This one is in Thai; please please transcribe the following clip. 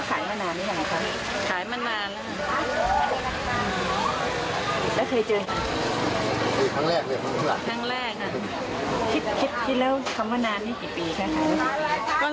ก็หลายปีนะที่ขายมารับของเขามาตลอด